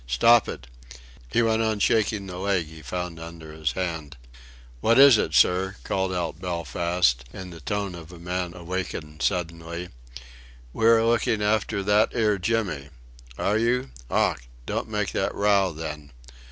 "Stop it!" He went on shaking the leg he found under his hand. "What is it, sir?" called out Belfast, in the tone of a man awakened suddenly; "we are looking after that 'ere Jimmy." "Are you? Ough! Don't make that row then.